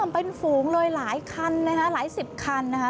เป็นฝูงเลยหลายคันนะคะหลายสิบคันนะคะ